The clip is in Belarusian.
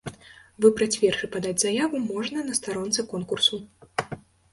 Выбраць верш і падаць заяву можна на старонцы конкурсу.